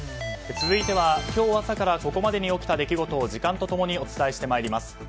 続いては、今日朝からここまでに起きた出来事を時間と共にお伝えしてまいります。